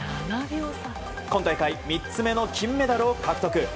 今大会３つ目の金メダルを獲得。